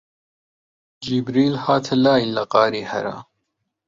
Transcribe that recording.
جیبریل هاتە لای لە غاری حەرا